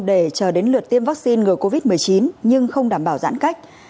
để chờ đến lượt tiêm vaccine ngừa covid một mươi chín nhưng không đảm bảo giãn cách